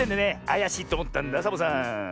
あやしいっておもったんだサボさん。